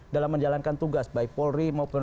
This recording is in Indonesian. dalam menjalankan tugas baik polri maupun